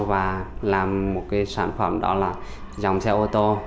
và làm một cái sản phẩm đó là dòng xe ô tô